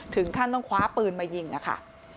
ถึงขั้นต้องคว้าปืนมายิงอะค่ะ